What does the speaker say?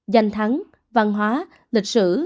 danh thắng văn hóa lịch sử